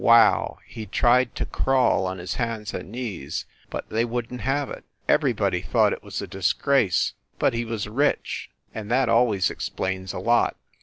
.Wow! He tried to crawl on his hands and knees, but they wouldn t have it. Everybody thought it was a disgrace; but he was rich, and that always explains a lot.